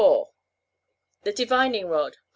The Divining Rod.